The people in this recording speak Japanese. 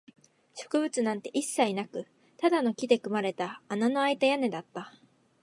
植物なんて一切なく、ただの木で組まれた穴のあいた屋根だった